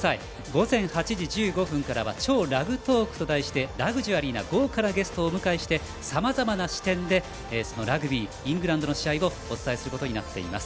午前８時１５分からは「＃超ラグトーク」と題してラグジュアリーな豪華なゲストをお迎えしてさまざまな視点でラグビー、イングランドの試合をお伝えすることになっています。